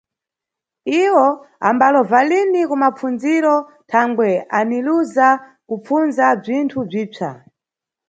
Iwo ambalova lini ku mapfundziro thangwe aniluza kupfundza bzinthu bzipsa.